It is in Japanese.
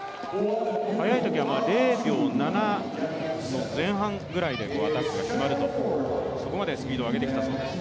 速いときは０秒７前半ぐらいでアタックが決まると、そこまでスピードを上げてきたそうです。